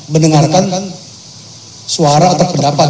mendengarkan suara atau pendapat